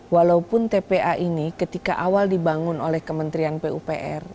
walaupun tpa ini ketika awal dibangun oleh kementerian pupr